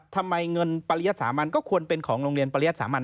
ทำไมเงินปริยัติสามัญก็ควรเป็นของโรงเรียนปริยัติสามัญ